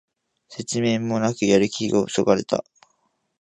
説明もなくやる気をそがれた